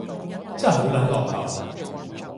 真係好撚落後